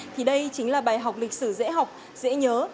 thì đây chính là bài học lịch sử dễ học dễ nhớ